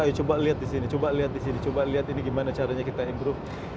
ayo coba lihat di sini coba lihat di sini coba lihat ini gimana caranya kita improve